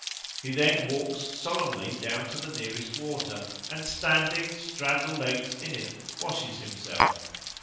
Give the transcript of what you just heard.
He then walks solemnly down to the nearest water, and standing straddle legs in it washes himself.